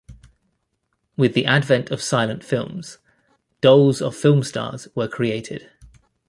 With the advent of silent films, dolls of film stars were created.